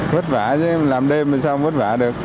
vất vả chứ làm đêm mà sao không vất vả được